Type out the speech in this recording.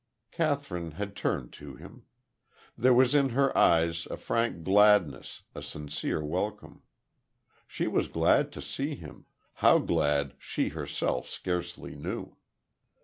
Kathryn had turned to him. There was in her eyes a frank gladness a sincere welcome. She was glad to see him; how glad, she herself scarcely knew.